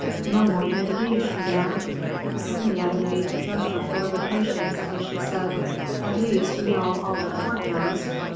"No more than De Guiche, Madame." Henrietta made a gesture full of impatience, as she said, "At least, you know all the court knows."